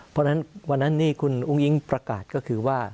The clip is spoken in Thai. เพราะฉะนั้นวันนั้นนี่คุณอุ้งอิ๊งประกาศก็คือว่า